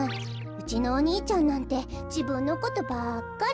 うちのお兄ちゃんなんてじぶんのことばっかり。